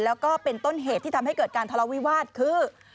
แล้วก็เป็นต้นเหตุที่ทำให้เกิดการทะเลาวิวาสคือ